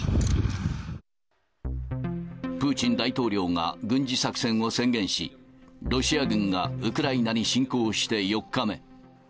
プーチン大統領が軍事作戦を宣言し、ロシア軍がウクライナに侵攻して４日目。